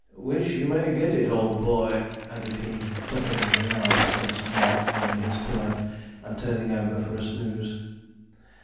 'Wish you may get it, old boy,' added he, tucking the now backless Mogg under his pillow, and turning over for a snooze.